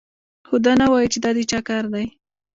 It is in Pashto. خو دا نه وايي چې دا د چا کار دی